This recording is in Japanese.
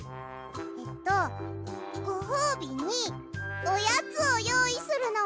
えっとごほうびにおやつをよういするのは？